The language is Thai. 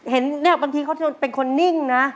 เห็นบางทีเขาเป็นคนนิ่งนะ